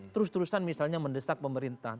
terus terusan misalnya mendesak pemerintah